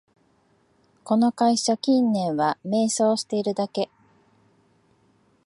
この会社、近年は迷走してるだけ